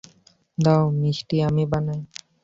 দাও মিষ্টি আমি বানাই।